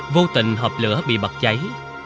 vô tình hộp lửa bị bật cháy